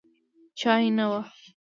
چای نه و.